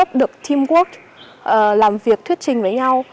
giúp được teamwork làm việc thuyết trình với nhau